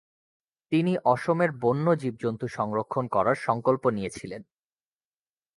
তিনি অসমের বন্য জীব-জন্তু সংরক্ষন করার সংকল্প নিয়েছিলেন।